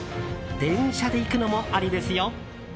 電車で行くのもありですよ。